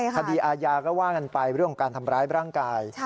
คดีอาญาก็ว่ากันไปเรื่องของการทำร้ายร่างกาย